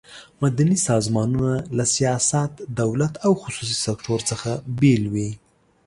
مدني سازمانونه له سیاست، دولت او خصوصي سکټور څخه بیل وي.